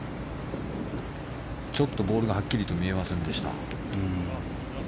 ちょっとボールがはっきりと見えませんでした。